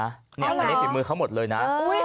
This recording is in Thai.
อันนี้ฝีมือเขาหมดเลยนะ